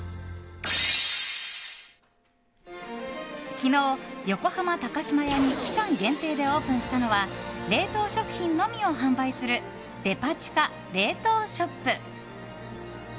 昨日、横浜高島屋に期間限定でオープンしたのは冷凍食品のみを販売するデパ地下冷凍ショップ。